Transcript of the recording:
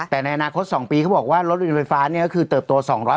แต่ในอนาคต๒ปีเขาบอกว่ารถบินไฟฟ้าคือเติบโต๒๐๐นะคะ